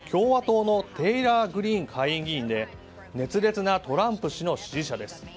こちらの女性は共和党のテイラー・グリーン下院議員で熱烈なトランプ氏の支持者です。